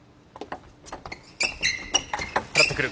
払ってくる。